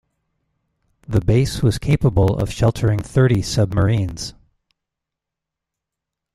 The base was capable of sheltering thirty submarines.